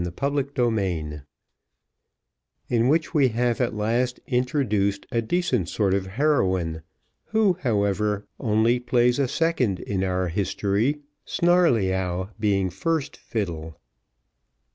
Chapter XXVIII In which we have at last introduced a decent sort of heroine, who, however, only plays a second in our history, Snarleyyow being first fiddle.